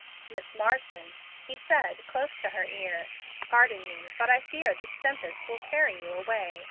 "Miss Marsden," he said, close to her ear, "pardon me, but I fear this tempest will carry you away.